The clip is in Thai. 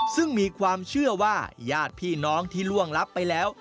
ซึ่งมีความเชื่อว่าญาติพี่น้องที่ล่วงลับไปแล้ว